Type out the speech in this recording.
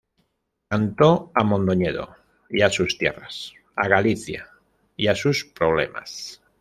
Cantó a Mondoñedo y a sus tierras, a Galicia y a sus problemas.